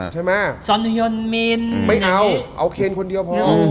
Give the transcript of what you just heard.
ใช่มั้ยไม่เอาเอาเคนคนเดียวพอ